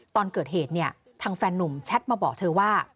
ตอนเกิดเหตุเนี่ยทางแฟนนุ่มแชทมาบอกเธอว่า